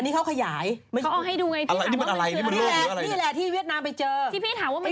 นี่ไงนี่มันลูกกระตาหรือเปล่า